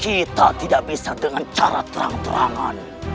kita tidak bisa dengan cara terang terangan